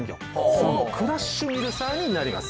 そのクラッシュミルサーになります。